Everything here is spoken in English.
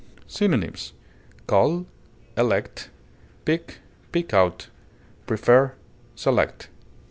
Synonyms: cull, elect, pick, pick out, prefer, select.